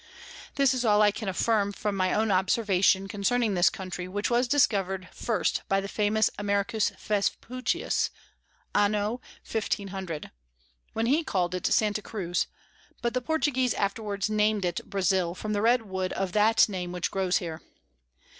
This is all I can affirm from my own Observation concerning this Country, which was discover'd first by the famous Americus Vespucius, Anno 1500. when he call'd it Santa Cruz; but the Portuguese afterwards nam'd it Brazile, from the red Wood of that name which grows here.